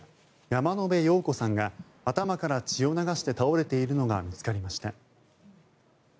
山野辺陽子さんが頭から血を流して倒れているのが見つかりました。